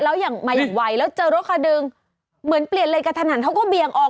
แล้วอย่างมาอย่างไวแล้วเจอรถคันหนึ่งเหมือนเปลี่ยนเลนกระทันหันเขาก็เบี่ยงออก